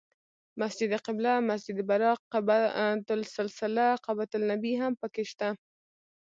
مسجد قبله، مسجد براق، قبة السلسله، قبة النبی هم په کې شته.